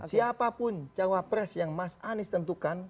siapapun cawapres yang mas anies tentukan